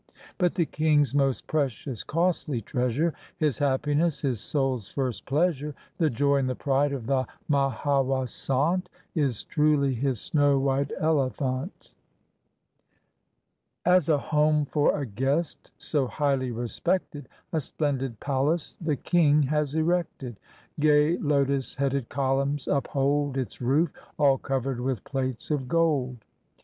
But the king's most precious, costly treasure, His happiness, his soul's first pleasure, The joy and the pride of the Mahawasant, Is truly his snow white elephant. 270 THE WHITE ELEPHANT As a home for a guest so highly respected A splendid palace the king has erected; Gay lotos headed columns uphold Its roof, all covered with plates of gold.